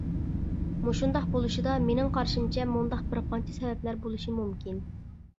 مۇشۇنداق بولۇشىدا مېنىڭ قارىشىمچە، مۇنداق بىرقانچە سەۋەبلەر بولۇشى مۇمكىن.